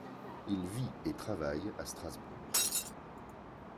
Il vit et travaille à Strasbourg.